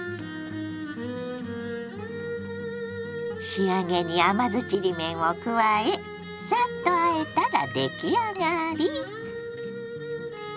仕上げに甘酢ちりめんを加えサッとあえたら出来上がり。